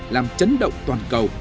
làm chấn động toàn cầu